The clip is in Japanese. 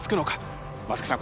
松木さん